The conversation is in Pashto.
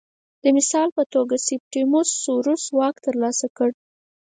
د مثال په توګه سیپټیموس سوروس واک ترلاسه کړ